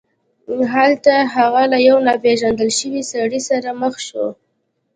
هلته هغه له یو ناپيژندل شوي سړي سره مخ شو.